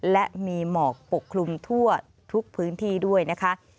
และมีหมอกปกคลุมทั่วทุกพื้นที่ด้วยนะคะ